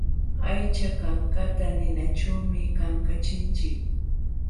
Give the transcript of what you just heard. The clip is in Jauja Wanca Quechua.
Aycha kankata ninaćhuumi kankachinchik.